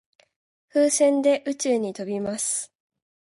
風船で宇宙に飛びます。